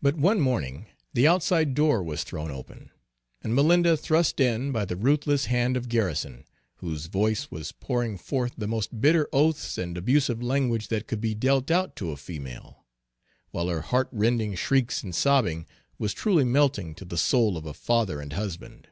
But one morning, the outside door was thrown open, and Malinda thrust in by the ruthless hand of Garrison, whose voice was pouring forth the most bitter oaths and abusive language that could be dealt out to a female; while her heart rending shrieks and sobbing, was truly melting to the soul of a father and husband.